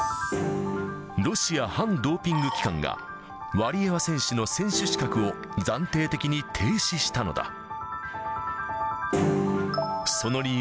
ロシア反ドーピング機関が、ワリエワ選手の選手資格を暫定的に停止したのだ。